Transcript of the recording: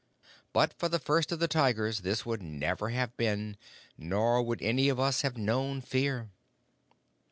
But for the First of the Tigers, this would never have been, nor would any of us have known fear."